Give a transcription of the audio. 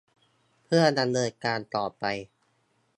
เพื่อดำเนินการต่อไป